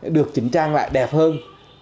được chỉnh trang lại đẹp hơn